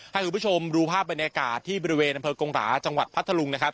ให้คุณผู้ชมดูภาพบรรยากาศที่บริเวณอำเภอกงหราจังหวัดพัทธลุงนะครับ